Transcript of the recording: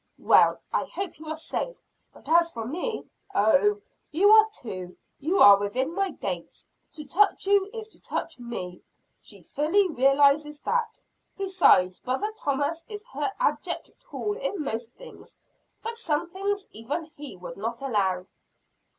"Well, I hope you are safe, but as for me " "Oh, you are, too. You are within my gates. To touch you, is to touch me. She fully realizes that. Besides brother Thomas is her abject tool in most things; but some things even he would not allow."